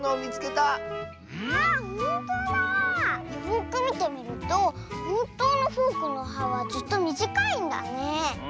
よくみてみるとほんとうのフォークの「は」はずっとみじかいんだねえ。